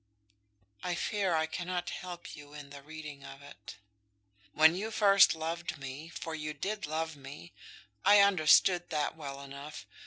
"I fear I cannot help you in the reading of it." "When you first loved me; for you did love me. I understood that well enough.